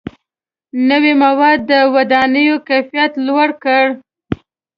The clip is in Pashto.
• نوي موادو د ودانیو کیفیت لوړ کړ.